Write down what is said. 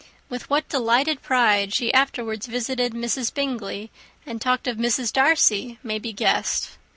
With what delighted pride she afterwards visited Mrs. Bingley, and talked of Mrs. Darcy, may be guessed.